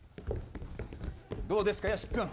どうですか、屋敷君。